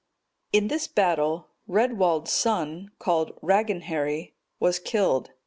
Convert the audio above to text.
(229) In this battle, Redwald's son, called Raegenheri, was killed.